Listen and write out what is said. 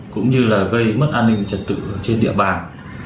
cũng như gây mất an ninh chất tự trên địa bàn